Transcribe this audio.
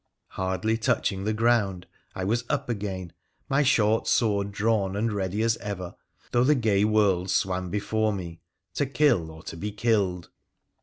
Hardly touching the ground, I was up again, my short sword drawn and ready as ever — though the gay world swam before me — to kill or to be killed.